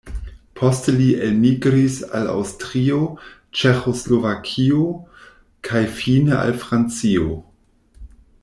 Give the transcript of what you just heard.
Poste li elmigris al Aŭstrio, Ĉeĥoslovakio kaj fine al Francio.